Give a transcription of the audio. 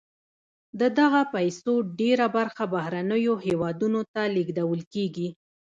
د دغه پیسو ډیره برخه بهرنیو هېوادونو ته لیږدول کیږي.